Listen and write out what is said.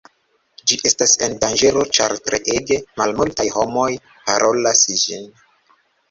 Ĝi estas en danĝero ĉar treege malmultaj homoj parolas ĝin.